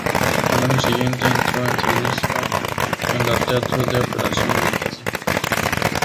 Al año siguiente entró en servicio en la teatro de operaciones del Pacífico.